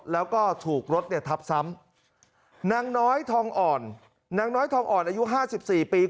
แล้วก็ถูกรถทับซ้ำนางน้อยทองอ่อนนางน้อยทองอ่อนอายุ๕๔ปี